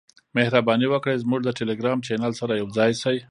مهرباني وکړئ زموږ د ټیلیګرام چینل سره یوځای شئ .